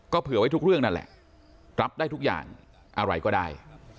เผื่อไว้ทุกเรื่องนั่นแหละรับได้ทุกอย่างอะไรก็ได้